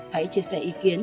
hãy chia sẻ ý kiến